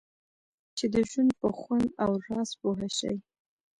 چې د ژوند په خوند او راز پوه شئ.